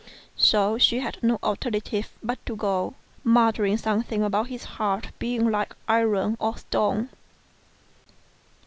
So she had no alternative but to go, muttering something about his heart being like iron or stone.